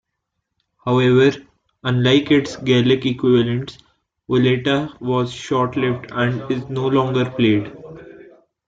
However, unlike its Gaelic equivalents, Volata was short-lived and is no longer played.